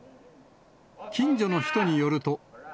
近所の人によると。